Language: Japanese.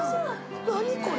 何これ？